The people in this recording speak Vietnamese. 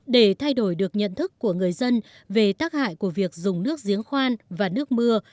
để thay đổi được nhận thức của người dân về tác hại của việc dùng nước giếng khoan và nước mưa